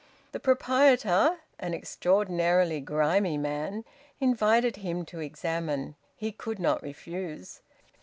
The proprietor, an extraordinarily grimy man, invited him to examine. He could not refuse.